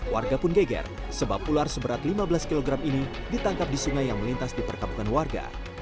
warga pun geger sebab ular seberat lima belas kg ini ditangkap di sungai yang melintas di perkabungan warga